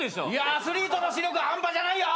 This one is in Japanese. アスリートの視力半端じゃないよ。